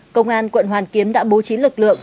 công an quận hoàn kiếm đã bố trí lực lượng